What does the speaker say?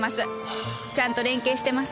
ちゃんと連携してます。